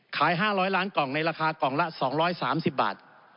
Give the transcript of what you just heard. ขาย๕๐๐ล้านกล่องในราคากล่องละ๒๓๐บาท